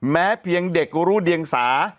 แม้เพียงเด็กรู้เดียงสา